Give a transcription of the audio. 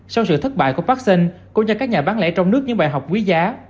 sau sự thất bại của park sen cũng như các nhà bán lễ trong nước những bài học quý giá